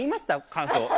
感想。